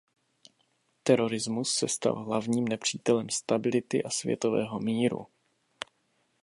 Terorismus se stal hlavním nepřítelem stability a světového míru.